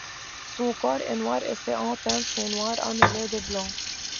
Son corps est noir et ses antennes sont noires annelées de blanc.